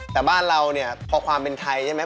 แต่บ้านเราเนี่ยพอความเป็นไทยใช่ไหม